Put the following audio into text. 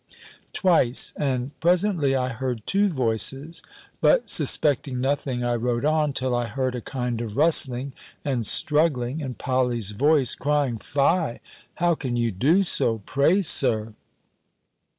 twice; and presently I heard two voices. But suspecting nothing, I wrote on, till I heard a kind of rustling and struggling, and Polly's voice crying, "Fie How can you do so! Pray, Sir."